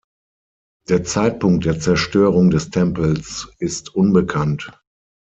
Der Zeitpunkt der Zerstörung des Tempels ist unbekannt.